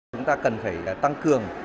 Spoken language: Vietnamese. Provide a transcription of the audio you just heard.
chúng ta cần phải tăng cường